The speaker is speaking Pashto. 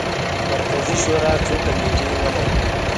مرکزي شورا څو کمیټې ولري.